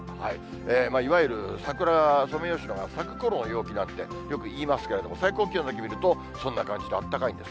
いわゆる桜が、ソメイヨシノが咲くころの陽気なんてよく言いますけれども、最高気温だけ見ると、そんな感じであったかいんです。